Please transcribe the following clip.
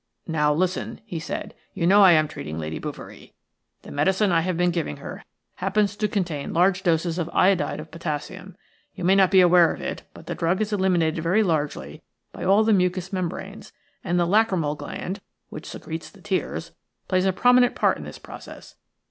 "Now, listen," he said. "You know I am treating Lady Bouverie. The medicine I have been giving her happens to contain large doses of iodide of potassium. You may not be aware of it, but the drug is eliminated very largely by all the mucous membranes, and the lachrymal gland, which secretes the tears, plays a prominent part in this process.